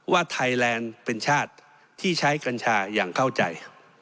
ว่าไทยแลนด์เป็นชาติที่ใช้กัญชาอย่างเข้าใจ